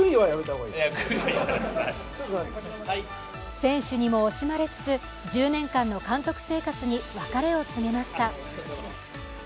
選手にも惜しまれつつ１０年間の監督生活に別れを告げました。